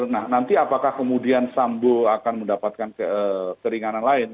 nah nanti apakah kemudian sambo akan mendapatkan keringanan lain